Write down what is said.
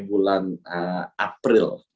sampai bulan april